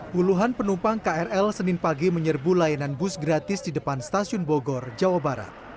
puluhan penumpang krl senin pagi menyerbu layanan bus gratis di depan stasiun bogor jawa barat